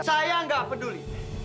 saya nggak peduli